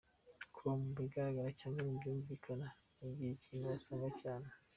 com : Mu bigaragara cyangwa mu byumvikana ni ikihe kintu wanga cyane ?.